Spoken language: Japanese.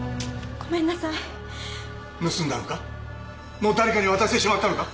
もう誰かに渡してしまったのか？